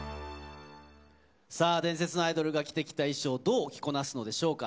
さあ、伝説のアイドルが着てきた衣装どう着こなすのでしょうか。